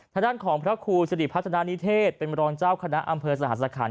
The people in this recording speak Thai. ทางด้านของพระครูสิริพัฒนานิเทศเป็นรองเจ้าคณะอำเภอสหสรคัน